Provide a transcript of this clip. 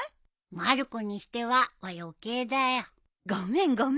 「まる子にしては」は余計だよ。ごめんごめん。